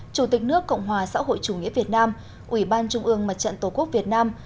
chủ tịch nước cộng hòa xã hội chủ nghĩa việt nam ủy ban trung ương mặt trận tổ quốc việt nam